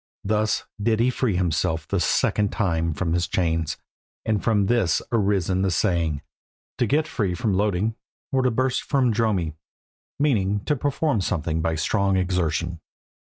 Thus did he free himself the second time from his chains, and from this has arisen the saying, "To get free from Loeding, or to burst from Dromi," meaning to perform something by strong exertion.